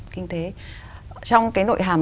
kinh tế trong cái nội hàm